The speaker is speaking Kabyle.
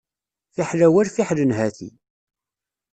Fiḥel awal fiḥel nhati.